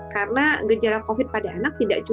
karena gejala covid pada anak tidak cukup